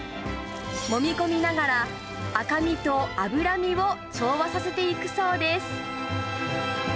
もみ込みながら、赤身と脂身を調和させていくそうです。